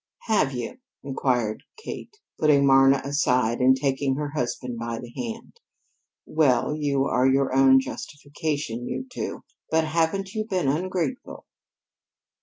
"Have you?" inquired Kate, putting Marna aside and taking her husband by the hand. "Well, you are your own justification, you two. But haven't you been ungrateful?"